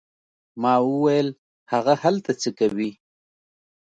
ما وویل: هغه هلته څه کوي؟